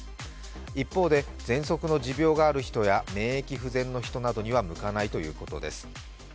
一方で、ぜんそくの持病がある人や免疫不全の人には向かないということです。